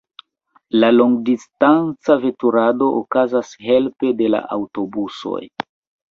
La longdistanca veturado okazas helpe de aŭtobusoj.